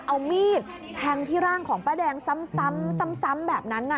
เอามีดแทงที่ร่างของป้าแดงซ้ำแบบนั้น